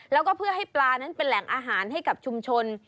แล้วก็เพื่อให้ปลานั้นเป็นแหล่งอาหารให้กับชุมชน